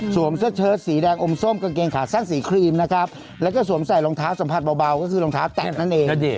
เสื้อเชิดสีแดงอมส้มกางเกงขาสั้นสีครีมนะครับแล้วก็สวมใส่รองเท้าสัมผัสเบาก็คือรองเท้าแตะนั่นเอง